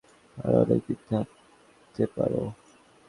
প্রার্থনা করি তুমি যেন আমার পাশে আরও অনেক দিন থাকতে পারো।